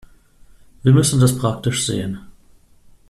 Wir müssen das praktisch sehen.